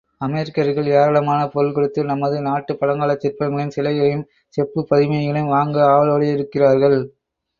அமெரிக்கர்கள் ஏராளமான பொருள் கொடுத்து நமது நாட்டுப் பழங்காலச் சிற்பங்களையும் சிலைகளையும் செப்புப் பதுமைகளையும் வாங்க ஆவலோடிருக்கிறார்கள்.